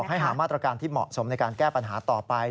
ให้หามาตรการที่เหมาะสมในการแก้ปัญหาต่อไป